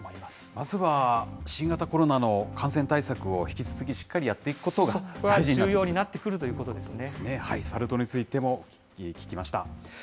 まずは新型コロナの感染対策を引き続き、しっかりやっていくそこが重要になってくるといサル痘についても聞きました。